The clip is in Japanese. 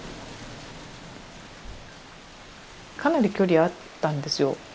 かなり距離あったんですよ。